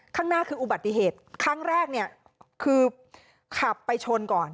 ข้างหน้าคืออุบัติเหตุครั้งแรกเนี่ยคือขับไปชนก่อน